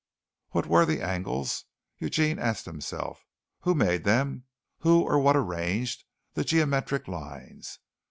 What were the angles? Eugene asked himself. Who made them? Who or what arranged the geometric lines?